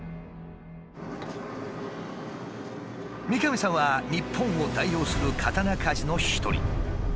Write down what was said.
三上さんは日本を代表する刀鍛冶の一人。